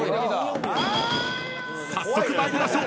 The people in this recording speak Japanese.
［早速参りましょう。